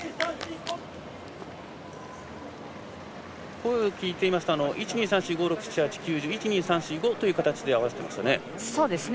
声を聞いていますと１、２、３、４、５６、７、８、９、１０１、２、３、４、５という形で合わせていますね。